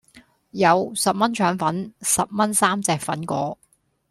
有,十蚊腸粉,十蚊三隻粉果